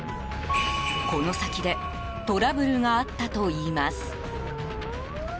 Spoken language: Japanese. この先でトラブルがあったといいます。